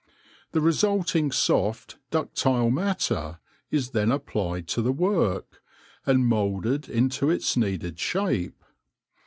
The resulting soft, ductile matter is then applied to the work, and moulded into its needed shape.